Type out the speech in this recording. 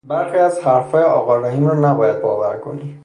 برخی از حرفهای آقا رحیم را نباید باور کنی!